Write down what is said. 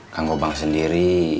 kang obang sendiri